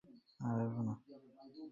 নিজের বোন আমাকে সম্মান করে না।